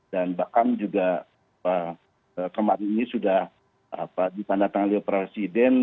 dan bahkan juga kemarin ini sudah di pandang tangan presiden